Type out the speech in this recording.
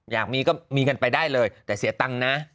อยากมีก็มีกันไปได้เลยแต่เสียตังค์นะ